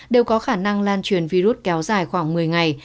đều có khả năng lan truyền virus kéo dài khoảng một mươi ngày